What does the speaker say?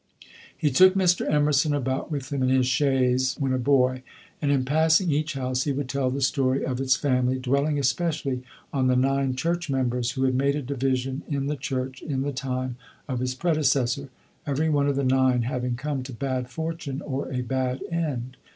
He took Mr. Emerson about with him in his chaise when a boy, and in passing each house he would tell the story of its family, dwelling especially on the nine church members who had made a division in the church in the time of his predecessor; every one of the nine having come to bad fortune or a bad end.